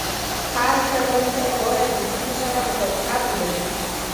هر زده کوونکی باید د اصولو سره مطابقت ولري.